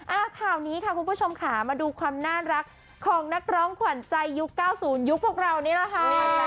อ่าข่าวนี้ค่ะคุณผู้ชมค่ะมาดูความน่ารักของนักร้องขวัญใจยุค๙๐ยุคพวกเรานี่แหละค่ะ